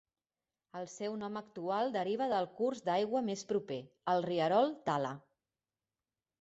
El seu nom actual deriva del curs d'aigua més proper, el rierol Tala.